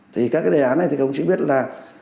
thì các cái đề án này thì con chỉ biết là